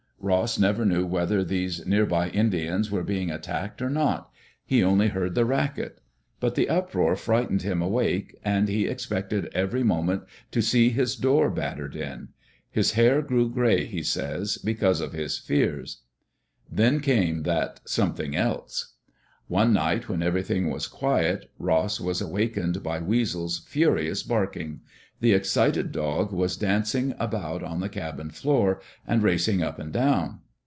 Ross never knew whether these near by Indians were being attacked or not; he only heard the racket. But the uproar frightened him awake and he expected every moment to see his door battered in. His hair grew gray, he says, because of his fears. Then came that " something else." One night when everything was quiet, Ross was awak ened by Weasel's furious barking. The excited dog was dancing about on the cabin floor, and racing up and down.